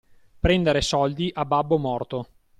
Prendere soldi a babbo morto.